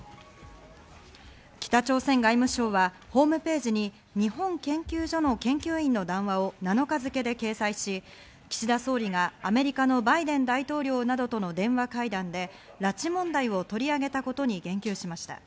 北朝鮮外務省はホームページに、日本研究所の研究員の談話を７日付で掲載し、岸田総理がアメリカのバイデン大統領などとの電話会談で拉致問題を取り上げたことに言及しました。